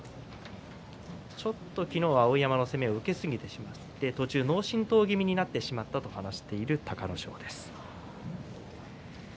ちょっと昨日は碧山の攻めを受けすぎてしまって、途中脳震とう気味になってしまったと話している隆の勝です。